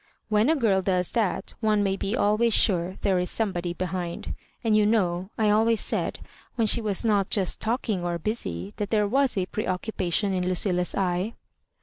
"When a girl does that one may be always sure there is somebody behind — ^and you know I always said when she w^s not just talk ing or busy that there was a preoccupation in Lucilla^s eye."